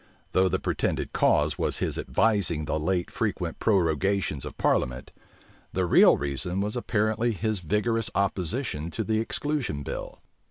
Though the pretended cause was his advising the late frequent prorogations of parliament, the real reason was apparently his vigorous opposition to the exclusion bill.